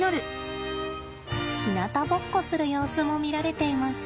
ひなたぼっこする様子も見られています。